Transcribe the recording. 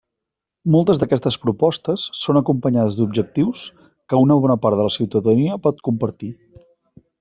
Moltes d'aquestes propostes són acompanyades d'objectius que una bona part de la ciutadania pot compartir.